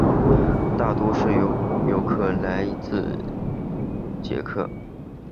大多数游客来自捷克。